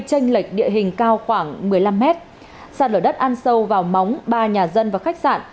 tranh lệch địa hình cao khoảng một mươi năm mét sạt lở đất ăn sâu vào móng ba nhà dân và khách sạn